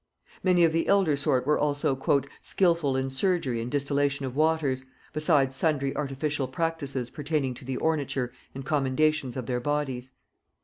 Many of the elder sort were also "skilful in surgery and distillation of waters, beside sundry artificial practices pertaining to the ornature and commendations of their bodies."